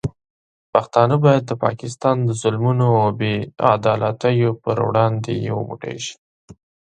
پښتانه باید د پاکستان د ظلمونو او بې عدالتیو پر وړاندې یو موټی شي.